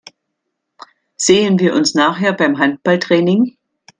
Sehen wir uns nachher beim Handballtraining?